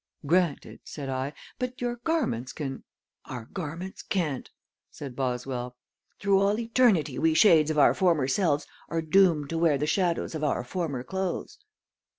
"Granted," said I, "but your garments can " "Our garments can't," said Boswell. "Through all eternity we shades of our former selves are doomed to wear the shadows of our former clothes."